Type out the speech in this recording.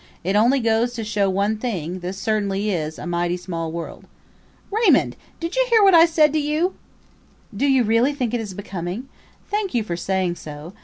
It only goes to show one thing this certainly is a mighty small world." ... "Raymund, did you hear what I said to you!" ... "Do you really think it is becoming? Thank you for saying so.